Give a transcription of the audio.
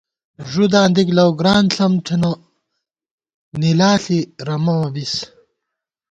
ݫُداں دِک لؤ گران ݪم تھنہ نِلا ݪی رَمہ مہ بِس